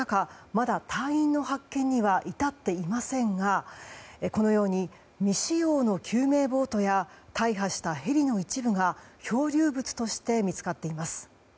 まだ隊員の発見には至っていませんがこのように未使用の救命ボートや大破したヘリの一部が漂流物として見つかっています。